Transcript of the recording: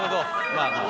まあまあ。